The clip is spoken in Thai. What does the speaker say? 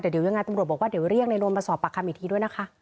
แต่เดี๋ยวยังไงตำรวจบอกว่าเดี๋ยวเรียกในรวมมาสอบปากคำอีกทีด้วยนะคะ